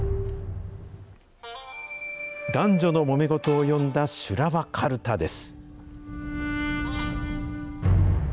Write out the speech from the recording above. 男女のもめ事を詠んだ修羅場かるたです。